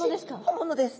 本物です。